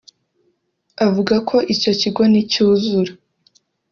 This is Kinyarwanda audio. Avuga ko icyo kigo nicyuzura